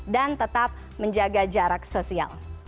dan tetap menjaga jarak sosial